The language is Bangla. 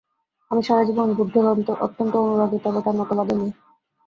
আমি সারা জীবন বুদ্ধের অত্যন্ত অনুরাগী, তবে তাঁর মতবাদের নই।